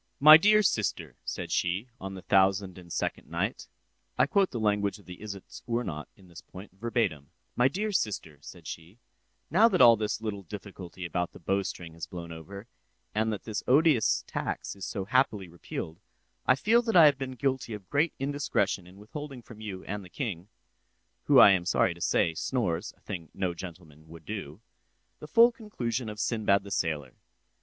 "My dear sister," said she, on the thousand and second night, (I quote the language of the "Isitsöornot" at this point, verbatim) "my dear sister," said she, "now that all this little difficulty about the bowstring has blown over, and that this odious tax is so happily repealed, I feel that I have been guilty of great indiscretion in withholding from you and the king (who I am sorry to say, snores—a thing no gentleman would do) the full conclusion of Sinbad the sailor.